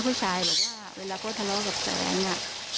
ผู้ชายบอกว่าเวลาเขาทะเลาะกับแฟนอ่ะ